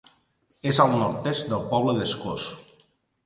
És al nord-est del poble d'Escós.